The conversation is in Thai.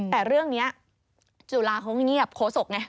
แต่เรื่องนี้จุฬาเขาก็เงียบโคศกไง